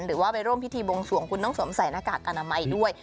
หรือว่าไปร่วมพิธีบวงสวงคุณต้องสวมใส่หน้ากากอนามัยด้วย